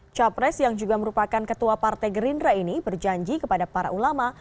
capres yang juga merupakan ketua partai gerindra ini berjanji kepada para ulama